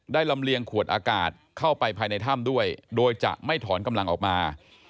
ลำเลียงขวดอากาศเข้าไปภายในถ้ำด้วยโดยจะไม่ถอนกำลังออกมา